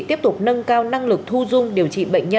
tiếp tục nâng cao năng lực thu dung điều trị bệnh nhân